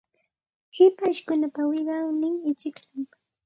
Hipashkunapa wiqawnin ichikllam.